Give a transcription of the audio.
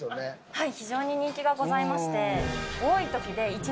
はい。